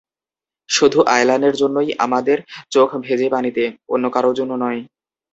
শুধু আয়লানের জন্যই আমাদের চোখ ভেজে পানিতে, অন্য কারও জন্য নয়।